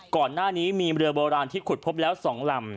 ก่อนหน้านี้มีเรือโบราณที่ขุดพบแล้ว๒ลำ